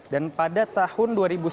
dan pada tahun dua ribu sepuluh